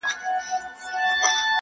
له حملې سره ملگری یې غړومبی سو!.